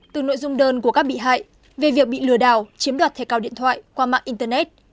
từ nội dung đơn của các bị hại về việc bị lừa đảo chiếm đoạt thẻ cào điện thoại qua mạng internet